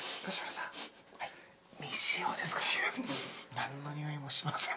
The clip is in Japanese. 何のにおいもしません。